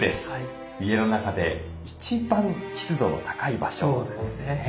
家の中で一番湿度の高い場所ですね。